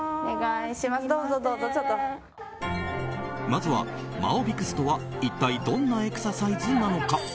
まずはマオビクスとは一体どんなエクササイズなのか。